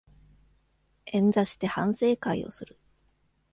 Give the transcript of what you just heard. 円座して反省会をする